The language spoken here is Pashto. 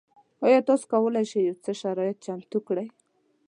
ایا تاسو کولی شئ یو څه شرایط چمتو کړئ؟